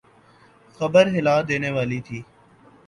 خبر ہلا دینے والی تھی۔